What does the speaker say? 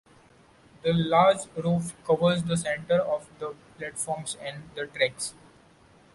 A large roof covers the center of the platforms and the tracks.